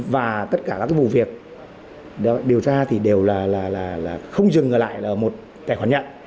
và tất cả các vụ việc điều tra thì đều là không dừng ở lại một tài khoản nhận